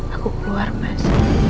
aku keluar mas